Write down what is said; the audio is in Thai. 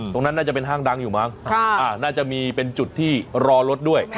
ตรงนั้นน่าจะเป็นห้างดังอยู่มั้งน่าจะมีเป็นจุดที่รอรถด้วย